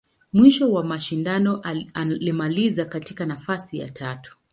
Mwisho wa mashindano, alimaliza katika nafasi ya tatu.